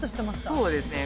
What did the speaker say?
そうですね